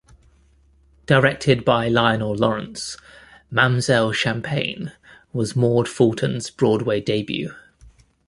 Directed by Lionel Lawrence, "Mamzelle Champagne" was Maude Fulton's Broadway debut.